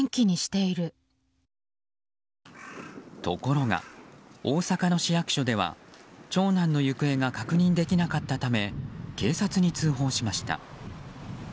ところが、大阪の市役所では長男の行方が確認できなかったため警察に通報しました。